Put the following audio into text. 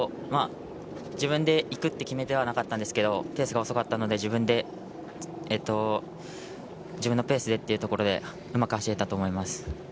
自分で行くって決めてはいなかったんですけどペースが遅かったので自分のペースでというところで、うまく走れたと思います。